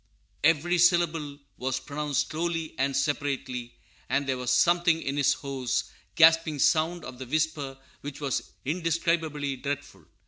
"_ Every syllable was pronounced slowly and separately; and there was something in the hoarse, gasping sound of the whisper which was indescribably dreadful.